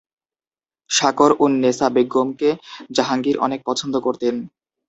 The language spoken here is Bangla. শাকর-উন-নেসা বেগমকে জাহাঙ্গীর অনেক পছন্দ করতেন।